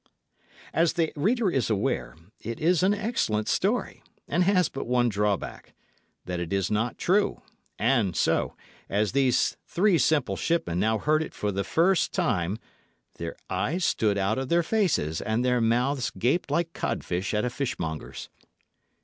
As the reader is aware, it is an excellent story, and has but one drawback that it is not true; and so, as these three simple shipmen now heard it for the first time, their eyes stood out of their faces, and their mouths gaped like codfish at a fishmonger's.